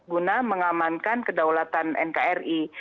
guna mengamankan kedaulatan nkri